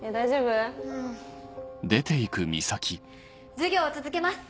授業を続けます。